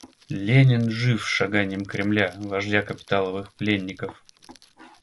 Ленин — жив шаганьем Кремля — вождя капиталовых пленников.